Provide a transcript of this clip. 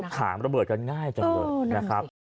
แล้วผ่านระเบิดกันง่ายจนด้วยนะครับ